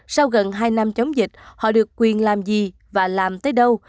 sau gần hai năm chống dịch họ được quyền làm gì và làm tới đâu